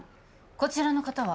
こちらの方は？